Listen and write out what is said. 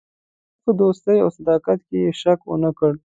د روسیې په دوستۍ او صداقت کې یې شک ونه کړ.